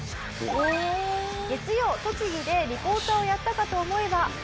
月曜栃木でリポーターをやったかと思えば。